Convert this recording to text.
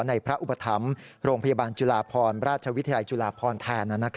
พระอุปถัมภ์โรงพยาบาลจุฬาพรราชวิทยาลัยจุฬาพรแทน